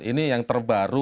ini yang terbaru